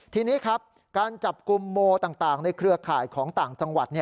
ทีนี้ครับการจับกลุ่มโมต่างในเครือข่ายของต่างจังหวัด